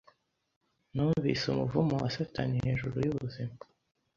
Numvise umuvumo wa satani hejuru yubuzima